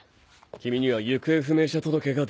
君には行方不明者届が出ている。